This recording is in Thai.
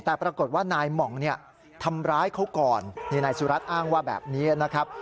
แต่ปรากฏว่านายหม่องเนี่ยทำร้ายเขาก่อนนี่นายสุรัตนอ้างว่าแบบนี้นะครับ